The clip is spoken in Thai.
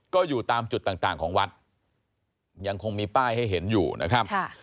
ก็อยู่ตามจุดต่างของวัดยังคงมีป้ายให้เห็นอยู่นะครับ